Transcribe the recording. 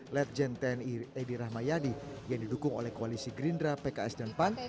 letjen tni edi rahmayadi yang didukung oleh koalisi gerindra pks dan pan